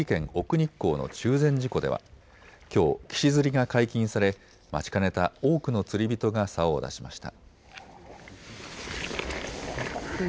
日光の中禅寺湖ではきょう岸釣りが解禁され待ちかねた多くの釣り人がさおを出しました。